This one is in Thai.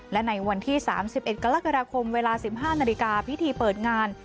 และในวันที่๓๑กรกฎาคมเวลา๑๕นาฬิกาพิธีเปิดงาน